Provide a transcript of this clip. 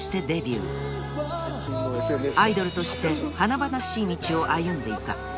［アイドルとして華々しい道を歩んでいた］